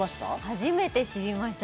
初めて知りました